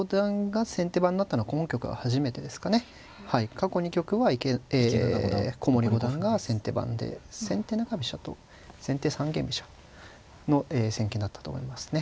過去２局は古森五段が先手番で先手中飛車と先手三間飛車の戦型になったと思いますね。